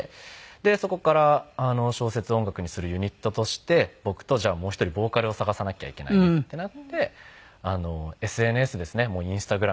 でそこから小説を音楽にするユニットとして僕とじゃあもう一人ボーカルを探さなきゃいけないってなってＳＮＳですね。